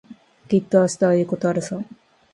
きっと明日はいいことあるさ。